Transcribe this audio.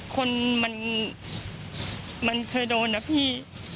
คนมันเคยโดนนะพี่